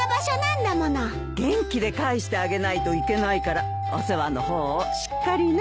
元気で返してあげないといけないからお世話の方をしっかりね。